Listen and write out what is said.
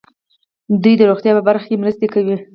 دوی د روغتیا په برخه کې مرستې کوي.